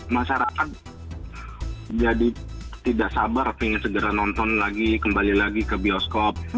masyarakat jadi tidak sabar pengen segera nonton lagi kembali lagi ke bioskop